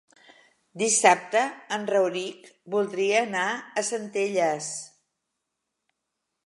Dissabte en Rauric voldria anar a Centelles.